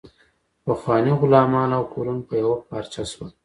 پخواني غلامان او کولون په یوه پارچه شول.